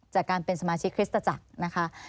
จากการเป็นสมาชิกคริสตจักรนะคะ